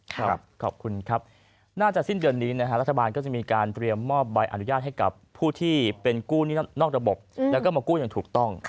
ขอบคุณครับน่าจะสิ้นเดือนนี้นะฮะรัฐบาลก็จะมีการเตรียมมอบใบอนุญาตให้กับผู้ที่เป็นกู้หนี้นอกระบบแล้วก็มากู้อย่างถูกต้อง